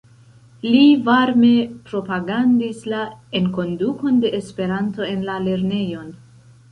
Li varme propagandis la enkondukon de Esperanto en la lernejon.